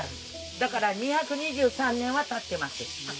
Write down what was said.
だから２２３年は経ってます。